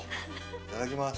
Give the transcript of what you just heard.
いただきます。